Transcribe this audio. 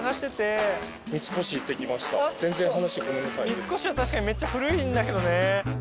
三越は確かにめっちゃ古いんだけどね。